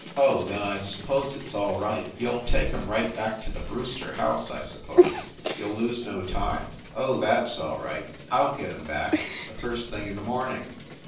"Oh, then, I suppose it s all right. You ll take em right back to the Brewster house, I suppose? You ll lose no time?" "Oh, that s all right, I ll get em back, the first thing in the morning."